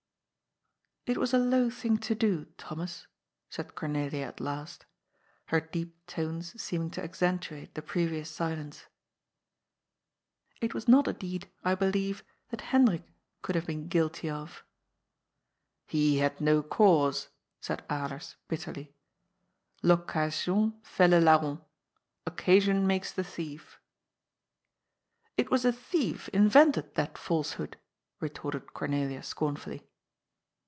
" It was a low thing to do, Thomas," said Cornelia at last, her deep tones seeming to accentuate the previous silence. ^^ It was not a deed, I believe, that Hendrik could have been guilty of." " He had no cause," said Alers bitterly. " L'occasion fait le larron — ^Occasion makes the thief." " It was a thief invented that falsehood," retorted Cor nelia scornfully.